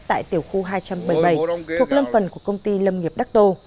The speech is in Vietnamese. tại tiểu khu hai trăm bảy mươi bảy thuộc lâm phần của công ty lâm nghiệp đắc tô